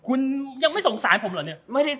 คุณยังไม่สงสารผมเหรอเนี่ย